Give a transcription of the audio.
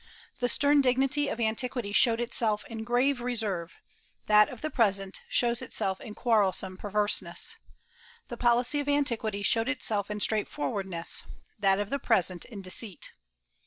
The stern dignity of antiquity showed itself in grave reserve; that of the present shows itself in quarrelsome perverseness. The policy of antiquity showed itself in straightforwardness; that of the present in deceit."